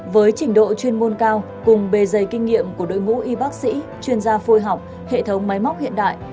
với trình độ chuyên môn cao cùng bề dày kinh nghiệm của đội ngũ y bác sĩ chuyên gia phôi học hệ thống máy móc hiện đại